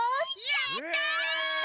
やった！